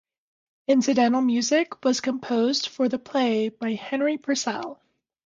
Incidental music was composed for the play by Henry Purcell.